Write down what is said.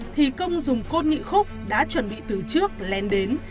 thì công dùng cốt nhị khúc đã chuẩn bị từ trước len đến